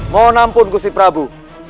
mohon ampun gusi prabu